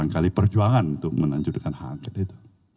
kita berjuang untuk meneruskan h angket